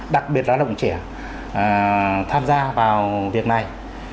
đặc biệt là lao động trẻ tham gia vào việc này